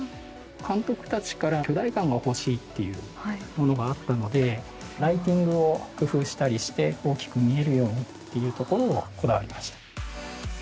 監督たちから巨大感が欲しいっていうものがあったのでライティングを工夫したりして大きく見えるようにっていうところをこだわりました。